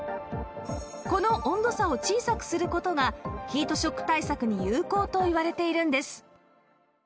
この温度差を小さくする事がヒートショック対策に有効といわれているんです